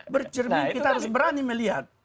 bercermin kita harus berani melihat